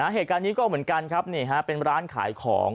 เหตุการณ์นี้ก็เหมือนกันครับเป็นร้านขายของ